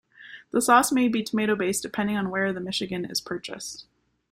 The sauce may be tomato-based, depending on where the Michigan is purchased.